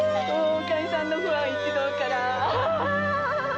おかみさんのファン一同から。